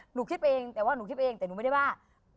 หนูคิดเองแต่ว่าหนูคิดเองแต่หนูไม่ได้ว่า